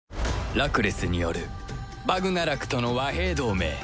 ラクレスによるバグナラクとの和平同盟